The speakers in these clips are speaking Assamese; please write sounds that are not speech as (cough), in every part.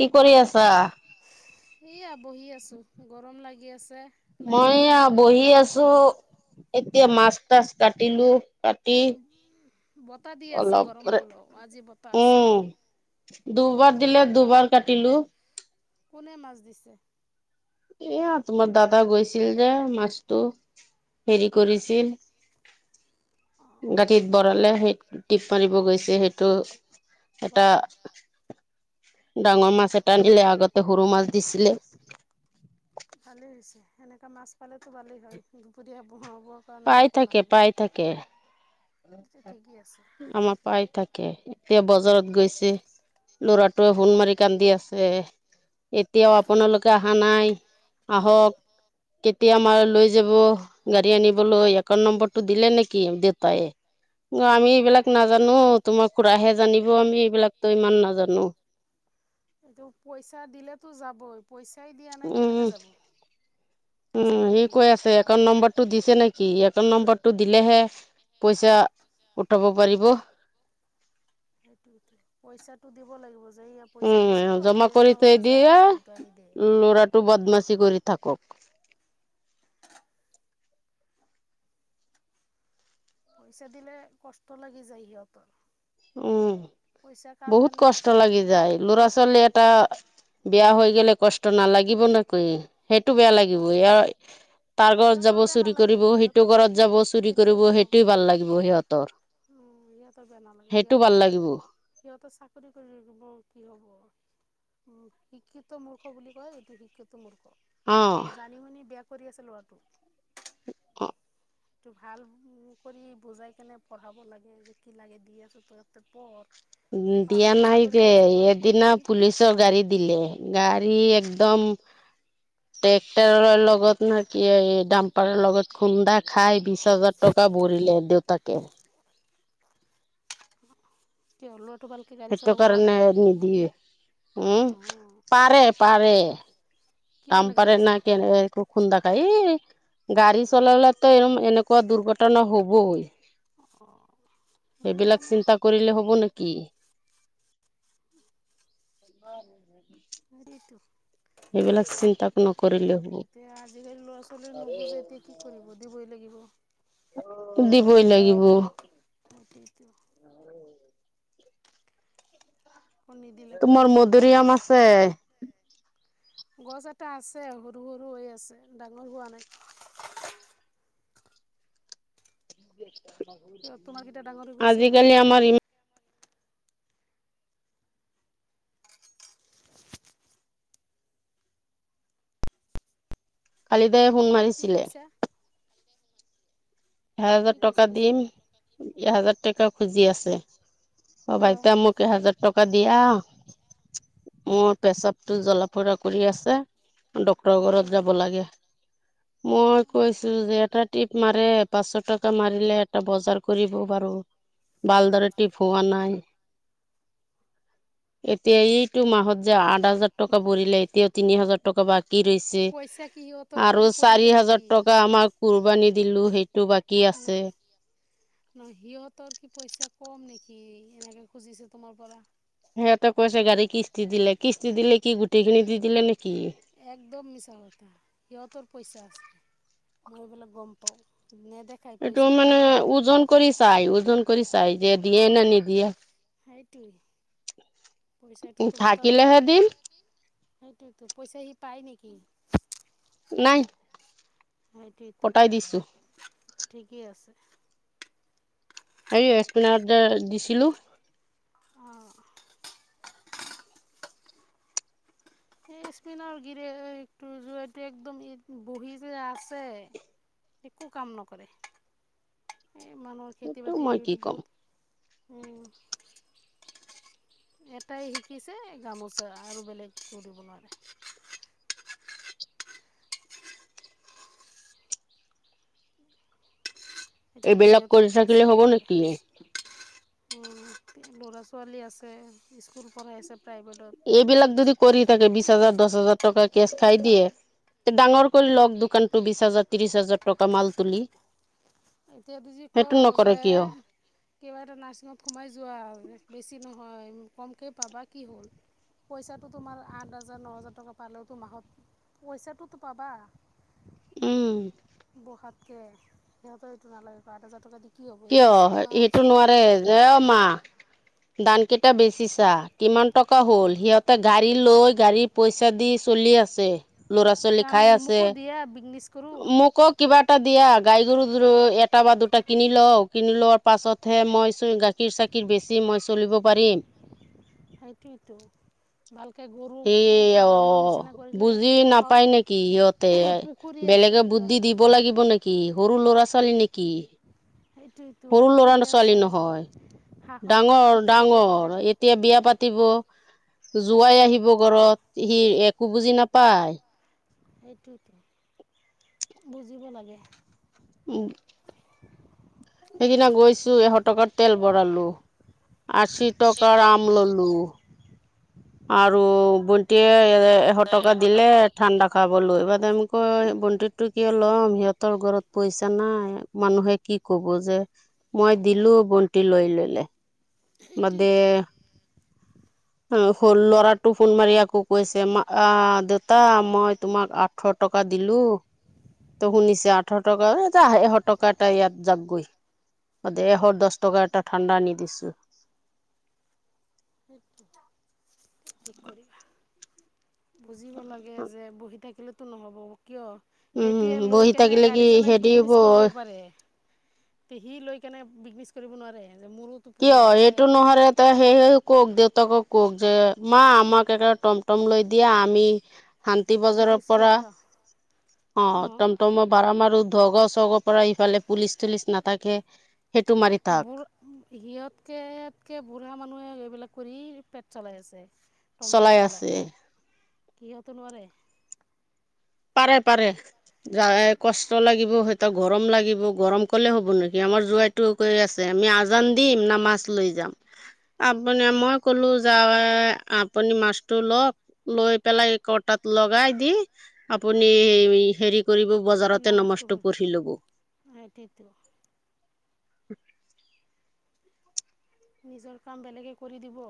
কি কৰি আছা? এয়া বহি আছোঁ, গৰম লাগি আছে। মই লাইনো এয়া নাই। বহি আছোঁ। এতিয়া মাছ তাছ কাটিলো, কাটি বতাহ দি আছে অলপ গৰম হ'লেও, আজি বত উম, দুবাৰ দিলে দুবাৰ কাটিলো। কোনে মাছ দিছে? এয়া তোমাৰ দাদা গৈছিল যে মাছটো। হেৰি কৰিছিল। গাঁঠিত বৰালে সেই টিপ মাৰিব গৈছে সেইটো। এটা পৰা, পৰা। ডাঙৰ মাছ এটা নিলে আগতে সৰু মাছ দিছিলে ভালেই হৈছে, এনেকা মাছ পালেটো ভালেই হয় দুপৰীয়া বোহা পাই থাকে, পাই থাকে। এতিয়া ঠিকেই আছে। আমাৰ পাই থাকে। সেয়া বজাৰত গৈছে লৰাটোৱে সোণ মাৰি কান্দি আছে এতিয়াও আপোনালোকে অহা নাই আহক কেতিয়া মাৰ লৈ যাব গাড়ী আনিবলৈ একাউণ্ট নম্বৰটো দিলে নেকি দেউতাইে (unintelligible) অ আমি এইবিলাক নাজানো তোমাৰ খুৰাহে জানিব আমি এইবিলাকতো ইমান নাজানোঁ (unintelligible) এইটো পইচা দিলেতো যাবই পইচাই দিয়া নাই উম কেনেকে যাব উম পইচা দিব সি লাগিব কৈ আছে যাওক একাউণ্ট গ'লে। নম্বৰটো দিছে নেকি একাউণ্ট নম্বৰটো দিলেহে পইচা উঠাব পাৰিব সেইটো পইচাটো দিব লাগিব যে ইয়া পইচা উম দিছোঁ জমা তে কৰি থৈ তহঁতে যা দিয়ে গাড়ীটো আনি দে লৰাটো বদমাচি কৰি থাকক পইচা দিলে কষ্ট লাগি যায়, সিহঁতৰ। উম, পইচা কাৰ বহুত কাৰণে কষ্ট লাগি যায়, ল'ৰা ছোৱালী এটা বেয়া হৈ গলে কষ্ট নালাগিব নেকি, সেইটো বেয়া লাগিব এ তাৰ ঘৰত যাব সিহঁতৰ বেয়া চুৰি নালাগে কৰিব, সেইটো সিহঁতৰ ঘৰত তেতিয়া যাব চুৰি তেতিয়া কৰিব গম পাব সেইটোৱেই ভাল লাগিব সিহঁতৰ। উম, সিহঁতেৰ বেয়া নালাগে সেইটো সিহঁতে, ভাল লাগিব সিহঁতেৰ চাকৰি কৰিব কি হ'ব। উম, শিক্ষিত মূৰ্খ বুলি কয়। এইটো শিক্ষিত মূৰ্খ অ জানি, শুনি ব কৰি আছে, ল'ৰটো। (unintelligible) টো, ভাল কৰি বুজাই কেনে পঢ়াব লাগে যে, কি লাগে দি আছো, তই পঢ়। দিয়া বাপেকে নাই চাকৰি যে কৰিছে তইয়ো এদিনা কৰিবি পুলিচৰ গাড়ী দিলে, গাড়ী একদম উম। ট্ৰেক্টৰৰ লগত ন, কি এই দাম্পাৰৰ লগত খুন্দা খাই বিশ হাজাৰ টকা ভৰি দেউতাকে। কিয় ভালকৈ গাড়ী সেইটো চলাব কাৰণে নোৱাৰে নিদিয়ে, উম, অঁ পাৰে, পাৰে। কিয় আাম এনেকৈ পাৰে কৰিছে ন, কি এক খুন্দা খায়। গাড়ী চলালেটো এনেকুৱা দুৰ্ঘটনা হ'বই। অঁ সেইটো সেইবিলাক মানে চিন্তা কৰিলে হ'ব, নেকি। (inaudible) (inaudible) (inaudible) সেইবিলাক চিন্তা নকৰিলে এতিয়া আজিকালি ল'ৰা ছোৱালীয়ে নুবুজে এতিয়া কি কৰিব দিবই লাগিব হ'ব। দিবই লাগিব। (inaudible) আকৌ নিদিলে তোমাৰ কৰিব খং মধুৰিআম আছে? গছ এটা আছে সৰু- সৰু হৈ আছে ডাঙৰ হোৱা নাই (unintelligible) কিয় তোমাৰকেইটা ডাঙৰ হৈ গৈছে আজিকালি আমাৰ ইম কালি তাইয়ে ফোন কি মাৰিছিলে। কৈছা কি এহেজাৰ টকা কৈছে পিছত দিম এহেজাৰ টকা খুজি আছে। অ, বা কিয় এতিয়া মোক এহেজাৰ টকা দিয়া। মোৰ পেচাবটো জোল ফুৰা কৰি আছে। ডক্তৰৰ ডক্তৰ ঘৰত যাব লাগে। মই কৈছো যে এটা ট্ৰিপ মাৰে পাঁচশ টকা মাৰিলে এটা বজাৰ কৰিব বাৰু ভালদৰে টিপ হোৱা নাই। এতিয়া এইটো মাহত যে, আ হাজাৰ টকা ভৰিলে, এতিও তিনি হাজাৰ টকা বা বাকী ৰৈছে পইচা কি সিহঁতৰ আৰু কম চাৰি পৰিলে হাজাৰ নেকি টকা আমাক কুৰবানী দিলো। সেইটো বাকী ন, আছে ন, সিহঁতৰ কি পইচা কম নেকি? কি, এনেকে খুজিছে তোমাৰ পৰা। সিহতে কৈছে গাড়ী কিষ্টি দিলে, কিস্তি দিলে কি গোটেই খিনি দি, দিলে নে একদম মিছা কথা, সিহঁতৰ পইচা আছে, মই সেইবিলাক গম পাওঁ। নেদেখায় এইটো পইচাটো মানে নেদেখায় ওজন কৰি চাই, ওজন কৰি চাই যে দিয়ে, নে, নিদিয়ে। সেইটোই। (inaudible) পইচাটো তোমাৰ ত, থাকিলেহে দিম সেইটো পইচা সি পাই নেকি? নাই। সেইটোৱেটো কটাই দিছো ঠিকেই আছে। এই স্পিনাৰড যে, দিছিলো। আহ। এই স্পিনৰ গিৰে জটো একদম বহি যে আছে একো কাম নকৰে। এ মানুহৰ খেতি - বাতি এইটো মই কি সেইটো ক'ম বহুত ও। (unintelligible) এটাই শিকিছেঁ গামোচা আৰু বেলেগ কৰিব নোৱাৰে। এতিয়াতো এইবিলাক সিহঁতে কৰি থাকিলে হব নেকি? উম ল'ৰা ছোৱালী আছে স্কুল পঢ়াই আছে। প্ৰাইভেটত এইবিলাক যদি কৰি থাকে বিশছ হাজাৰ দশ হাজাৰ টকা কেচ খাই দিয়ে। ডাঙৰ কৰি লওঁক দোকানতটো বিশ হাজাৰ ত্ৰিশ হাজাৰ টকা মাল তুলি। এতিয়া ত যি ক সেইটো নকৰে যে কিয়? কিবা এটা নাৰ্ছিঙত সোমাই যোৱা। বেছি নহয় কমকৈ পাবা, কি হ'ল? পইচাটো তোমাৰ আঠ হাজাৰ ন হাজাৰ টকা পালেওতো মাহত পইচাটোতো পাবা। উম বহাতকে সিহঁতৰ এইটো নালাগে আঠ হাজাৰ টকা দি কি হ'ব কিয়? এতিয়া ছয়মাহ ইটো নোৱাৰে যে এ অ মা। ধান কেইটা বেচিছা কিমান টকা হ'ল? সিহঁতে গাড়ীৰ লৈ গাড়ী পইচা দি চলি আছে। ল'ৰা-ছোৱালী খাই আছে, মোকো দিয়া বিজনেছ কৰোঁ মোকো কিবা এটা দিয়া গাই গৰু এটা বা দুটা কিনি লওঁ, কিনি লোৱাৰ পাছতহে মই চুই গা কিৰ চাকিৰ বেছি মই চলিব পাৰিম। সেইটোৱেটো। ভালকে গৰু সেই অ ফ্ৰামৰ নিচিনা কৰিলে বুজি নাপায় নেকি সিহঁতে হাঁহৰ পুখুৰী আছে বেলেগে সিহ বুদ্ধি দিব লাগিব নেকি? সৰু ল'ৰা-ছোৱালী নেকি? সেইটোৱেটো সৰু ল'ৰা পুখুৰী ছোৱালী আছে। নহয় হাঁহৰ ফাৰ্ম ডাঙৰ, এটা খুলিব পাৰে ডাঙৰ এতিয়া বিয়া পাতিব। জোৱাই আহিব ঘৰত, সি একো বুজি নাপায়। সেইটোৱেটো, বুজিব লাগে। উম। সেইদিনা গৈছোঁ, এশ টকাৰ তেল ভঁৰালো। আশী টকাৰ আম ল'লো। আৰু ভণ্টিয়ে এশ টকা দিলে ঠাণ্ডা খাবলৈ, (unintelligible) কয়, বন্ধনটো কিয় ল'ম, সিহঁতৰ ঘৰত পইচা নাই, মানুহে কি ক'ব যে মই দিলো ভণ্টি লৈ ল'লে, বাদে সেইটোৱেতো ল সৰু ল'ৰাটো ফোন মাৰি আকৌ কৈছে, মা আ, দেউতা মই তোমাক আঠশ টক কা দিলো, ত' শুনিছে আঠশ টকা এ যা এশ টকা এটা ইয়াত যাগৈ। দেৰশ দহ টকা এটা ঠাণ্ডা নি দিছোঁ। সেইতো, কি কৰিবা? বুজিব লাগে, যে বহি থাকিলেতো নহ'ব। কিয়? সেইটোয়ে লৈ বহি কিনে থাকিলে কি গাড়ী চলাই হেৰি বিদনেচ কৰিব হ'ব পাৰে। তে সি লৈ কিনে বিদনেচ কৰিব নোৱাৰে? যে মোৰোতো কিয়? পৰিয়াল আছে এইটো নহ'লে এটা সেই কওক দেউতাকক কওক, যে মা আমাক এখন তমতম লৈ দিয়া আমি শান্তি বজাৰৰ বিজনেছ পৰা। কৰি খাওঁ অ, অঁ তমতমৰ ভাঢ়া মাৰো। ধগ চগ পৰা ইফালে পুলিচ তুলিচ নাথাকে। সেইটো মাৰি থাক বোৰ। সিহঁতটকে এতকে বুঢ়া মানুহে এইবিলাক কৰি পেট চলাই আছে। চলাই আছে। সিহঁতো নোৱাৰে। পাৰে পাৰে, কষ্ট লাগিব তাতে গৰম লাগিব গৰম কলে হ'ব নেকি? আমাৰ মোৰ জোৱাইটোই কৈ আছে আমি আজান দিম না মাছ লৈ যাম। আপুনি মই ক'লো জাৱাই আপুনি মাছটো ল'ক লৈ পেলাই। লগাই দি, আপুনি হেৰিক কৰিব বজাৰতে নামাজটো নমাজটো পঢ় পঢ়ি ল'ব। (inaudible) সেইটোৱেতো নিজৰ কাম বেলেগে কৰি দিব।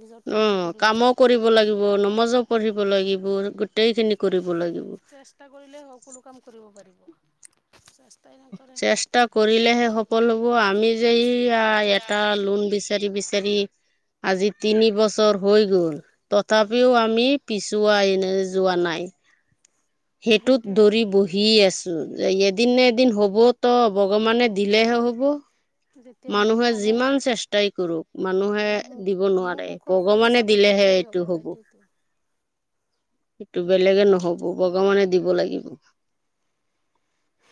নিজৰটো অ, নিজে কৰিব কামো লাগিব কৰিব লাগিব, নমাজো পঢ়িব লাগিব, গোটেই খিনি কৰিব লাগিব চেষ্টা কৰিলে সকলো কাম কৰিব পাৰিব। নকৰে চেষ্টা কৰিলেহে সফল হ'ব। আমি যে ইয়া এটা লোন বিচ চাৰি বিচাৰি। আজি তিনি বছৰ হৈ গ'ল, তথাপিও আমি পিছুৱাই এনে যোৱা নাই। সেইটোত সেইটোৱেতো ধৰি বহি আছোঁ। এদিন নে এদিন হ'বতো, ভগৱানে দিলেহে হ'ব। যেতিয়া মোৰ মানুহে ফালে যিমান চেষ্টাই কৰোঁক মানুহে মোক দিব মোৰ নোৱাৰে। মুখৰ ফালে ভগৱানে চাব দি তেতিয়াই হ'ব সেইটোৱেতো। সেইটো বেলেগে নহ'ব ভগৱানে দিব লাগিব।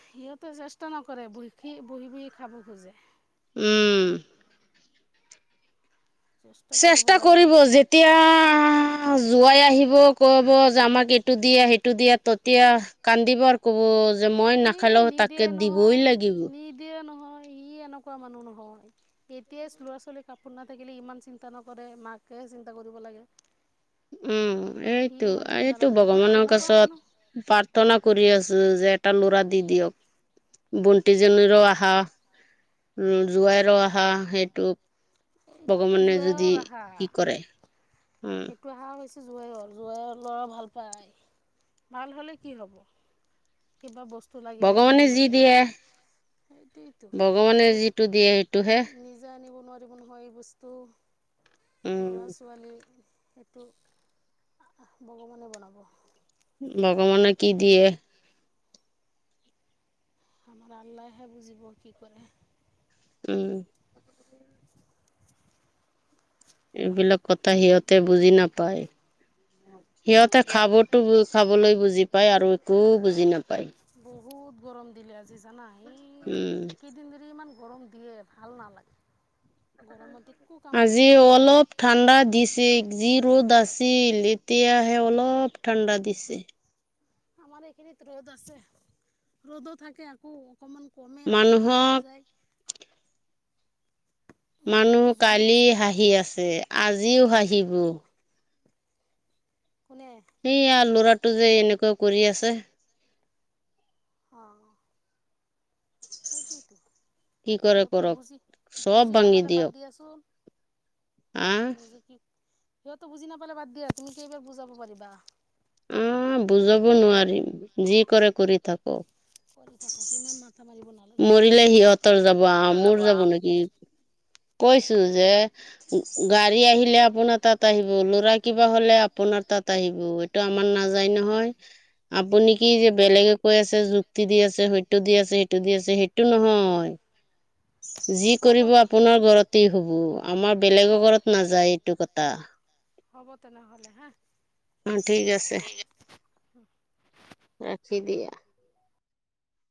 সিহঁতে চেষ্টা নকৰে বইখি বহি বহি খাব খোজে। উম। চেষ্টা কৰিব যেতিয়া অ, জোৱাইয়ে আহিব ক'ব যে, আমাক এইটো দিয়া, সেইটো দিয়া, তেতিয়া কান্দিব আৰু ক'ব যে মই এই নাখালেও তাকে নিদিয়ে দিবই নহয় লাগিব। নিদিয়ে তেতিয়াই ল'ৰা-ছোৱালীৰ কাপোৰ নাথাকিলে ইমান চিন্তা নকৰে, মাকেহে চিন্তা কৰিব লাগে। উম, সি এইটো, ইমান চিন্তা এইটো নকৰে ভগৱানৰ কেনেকুৱা মানুহ কাছত প্ৰাৰ্থনা কৰি আছোঁ যে, এটা ল'ৰা দি দিয়ক। বন্তিজনীৰো আশা। উম জোৱাইৰো আশা সেইটো। এইটোতো ভগৱানে যদি জোৱাইৰ আশা। কি কৰে উম, সেইটো আশা হৈছে জোৱাইৰ (inaudible) জোৱাইৰ ল'ৰা ভাল পায়। ভাল হ'লে কি হ'ব? কিবা বস্ তু লাগিলে দিব ভগৱানে যি লাগে। দিয়ে সেইটোৱে তো, এইটো ভগৱানে যিটো দিয়ে সেইটোহে নিজে আনিব দিব নহয় এই বস্তু, উম, ল'ৰা-ছোৱালী সেইটো ভগৱানে বনাব। ভগৱানে কি দিয়ে? আমাৰ আল্লাহ হে বুজিব কি কৰে। উম। এইবিলাক কথা সিহঁতে বুজি নাপায়। সিহঁতে খাবতো বুজ খাবলৈ বুজি পায় আৰু একো বুজি নাপায়। বহুত গৰম দিলে আজি জানা? সেই উম, কেইদিন ধৰি ইমান গৰম দিয়ে, ভাল নালাগে। গৰমতে আজি অলপ ঠাণ্ডা দিছ যিক যি ৰ'দ আছিল, এতিয়াহে অলপ ঠাণ্ডা দিছে। আমাৰ এইখিনিত ৰ'দ আছে। ৰ'দো থাকে, আকৌ অকমান কমে আকৌ বাঢ়ি মানুহক যায়। মানুহ গাটো জ্বলি কালি আছে মোৰ হাঁহি আছে, আজিও হাঁহিব। কোনে সেয়া ল'ৰাটো যে এনেকুৱা কৰি আছে। হ। সেইটোৱে তো কি কৰে সিহঁত কৰক বুজি, চব বুজি ভাঙি নাপালে দিয়ক বাদ দিয়াচোন। আহ নিজে কি, সিহঁতে বুজি নাপালে বাদ দিয়া তুমি কেইবাৰ বুজাব পাৰিবা। উম বুজাব নোৱাৰিম, যি কৰে কৰি থাকক। কৰি থাকক, কিমান মা মৰিলে সিহঁতৰ যাব, আ মোৰ যাব নেকি? কৈছো যে, উ গাড়ী আহিলে আপোনাৰ তাত আহিব ল'ৰা কিবা হলে আপোনাৰ তাত আহিব এইটো আমাৰ নাযায়। নহয় আপুনি কি যে বেলেগে কৈ আছে যুক্তি দি আছে, সেইটো দি আছে সিটো দি আছে সেইটো নহয় যি কৰিব হ'ব আপোনাৰ ঘৰতেই হ'ব আমাৰ বেলেগৰ ঘৰত নাযায় এইটো কতা হ'ব তেনেহ'লে হা। অ ঠিক আছে। (inaudible) ৰাখি দিয়া।